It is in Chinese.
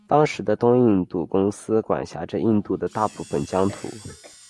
当时的东印度公司管辖着印度的大部分疆土。